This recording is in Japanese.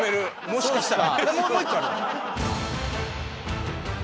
もしかしたら。